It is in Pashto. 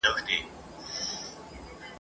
او ورپسې د ژمي سوړ موسم ..